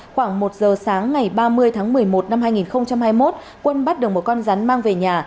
khoảng một giờ sáng ngày ba mươi tháng một mươi một năm hai nghìn hai mươi một quân bắt được một con rắn mang về nhà